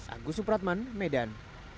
agus supratman medan